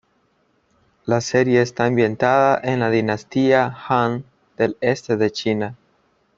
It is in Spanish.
La serie está ambientada en la dinastía Han del Este de China.